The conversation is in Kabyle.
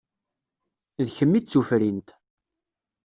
D kemm i d tufrint.